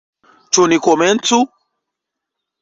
Ĉu ni komencu?